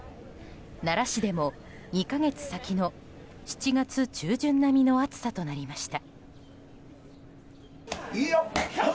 奈良市でも２か月先の７月中旬並みの暑さとなりました。